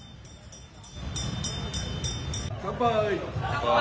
乾杯。